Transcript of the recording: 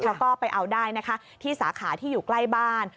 แล้วก็ไปเอาได้นะคะที่สาขาที่อยู่ใกล้บ้าน